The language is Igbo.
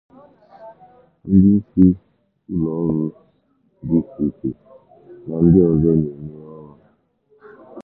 ndị isi ụlọọrụ dị icheiche na ndị ọzọ na-enye ọrụ